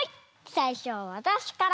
さいしょはわたしから。